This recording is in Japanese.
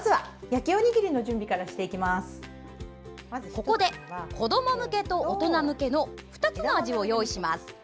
ここで、子ども向けと大人向けの２つの味を用意します。